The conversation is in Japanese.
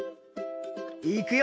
いくよ！